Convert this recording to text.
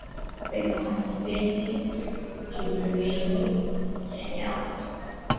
weka matembele kivulini yanyauke